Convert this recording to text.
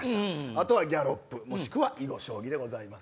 あとはギャロップもしくは囲碁将棋です。